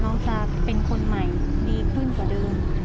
จะเป็นคนใหม่ดีขึ้นกว่าเดิม